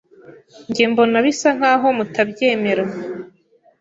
Njye mbona bisa nkaho mutabyemera.